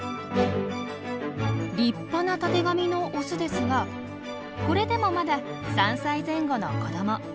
立派なたてがみのオスですがこれでもまだ３歳前後の子ども。